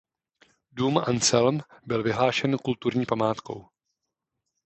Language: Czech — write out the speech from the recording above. Důl Anselm byl vyhlášen kulturní památkou.